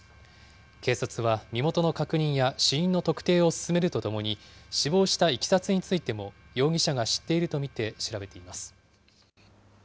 警察は身元の確認や死因の特定を進めるとともに、死亡したいきさつについても、容疑者が知っていると見て調べています。